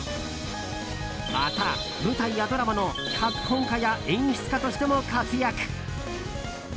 また、舞台やドラマの脚本家や演出家としても活躍。